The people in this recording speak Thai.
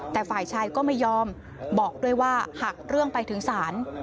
แต่ฝ่ายชายก็ไม่ยอมบอกด้วยว่าหากเรื่องไปถึงศาล